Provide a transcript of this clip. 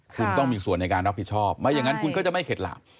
คุณต้องมีส่วนในการรับผิดชอบไม่อย่างนั้นคุณก็จะไม่เข็ดหลาบ